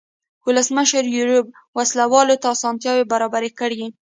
ولسمشر یوریب وسله والو ته اسانتیاوې برابرې کړې.